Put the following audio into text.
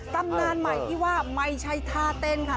ตำนานใหม่ที่ว่าไม่ใช่ท่าเต้นค่ะ